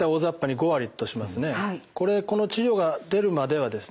これこの治療が出るまではですね